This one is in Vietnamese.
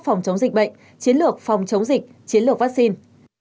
phòng chống dịch bệnh chiến lược phòng chống dịch chiến lược vaccine